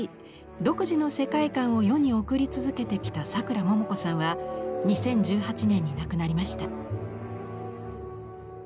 独自の世界観を世に送り続けてきたさくらももこさんは２０１８年に亡くなりました。